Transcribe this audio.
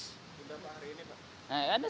sudah pak hari ini pak